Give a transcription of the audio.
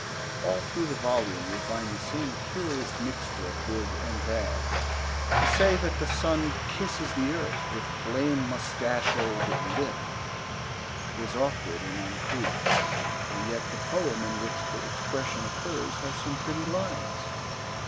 All through the volume we find the same curious mixture of good and bad. To say that the sun kisses the earth 'with flame moustachoed lip' is awkward and uncouth, and yet the poem in which the expression occurs has some pretty lines.